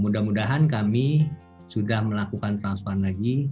mudah mudahan kami sudah melakukan transfer lagi